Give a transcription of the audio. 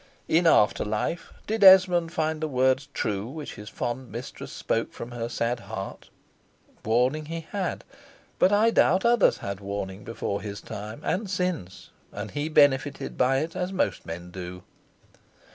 In after life, did Esmond find the words true which his fond mistress spoke from her sad heart? Warning he had: but I doubt others had warning before his time, and since: and he benefited by it as most men do.